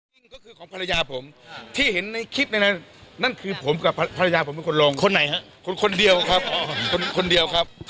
บางทีเข้าไปเพื่อนดูติวิ่งเว็บ